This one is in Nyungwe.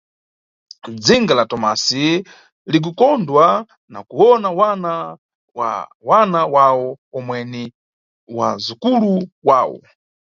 Dzinga la Tomasi likukondwa na kuwona wana wa wana wawo, omwe ni wazukulu wawo.